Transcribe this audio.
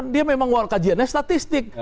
dia memang kajiannya statistik